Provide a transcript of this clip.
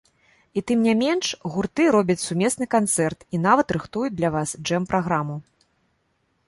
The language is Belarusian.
І, тым не менш, гурты робяць сумесны канцэрт і нават рыхтуюць для вас джэм-праграму.